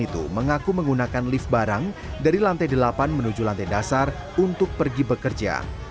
itu mengaku menggunakan lift barang dari lantai delapan menuju lantai dasar untuk pergi bekerja